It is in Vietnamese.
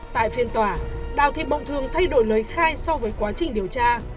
tại phiên tòa đào thị mộng thường thay đổi lời khai so với quá trình điều tra